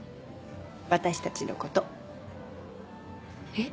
私たちのことえっ？